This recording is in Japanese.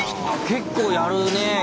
結構やるねえ